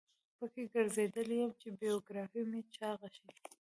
په کې ګرځیدلی یم چې بیوګرافي مې چاقه شي.